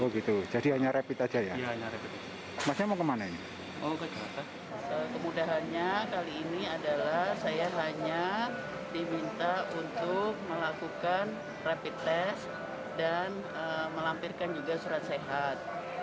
diminta untuk melakukan rapid test dan melampirkan juga surat sehat